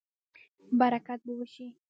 برکت به وشي